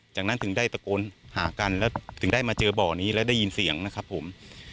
จากนั้นถึงได้ตะโกนหากันแล้วถึงได้มาเจอบ่อนี้แล้วได้ยินเสียงนะครับผม